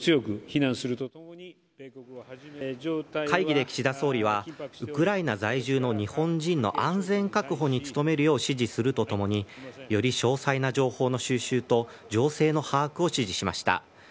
会議で岸田総理はウクライナ在住の日本人の安全確保に努めるよう指示するとともにより詳細な情報の収集と情勢の把握を指示しました。